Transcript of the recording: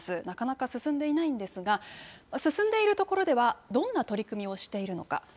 なかなか進んでいないんですが、進んでいる所では、どんな取り組みをしているのか。